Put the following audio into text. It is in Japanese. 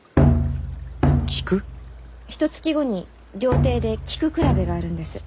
ひとつき後に料亭で菊比べがあるんです。